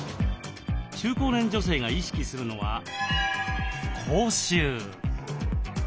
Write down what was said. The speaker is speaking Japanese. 中高年女性が意識するのは口臭。